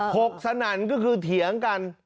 กสนั่นก็คือเถียงกัน